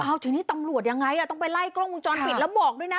เอาทีนี้ตำรวจยังไงต้องไปไล่กล้องวงจรปิดแล้วบอกด้วยนะ